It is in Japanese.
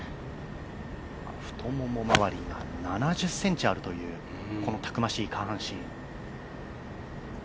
太もも周りが７０ｃｍあるというたくましい下半身。